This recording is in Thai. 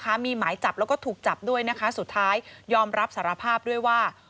มีหมายจับแล้วก็ถูกจับด้วยนะคะสุดท้ายยอมรับสารภาพด้วยว่า